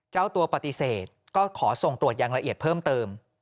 เจ้าตัวปฏิเสธก็ขอส่งตรวจอย่างละเอียดเพิ่มเติม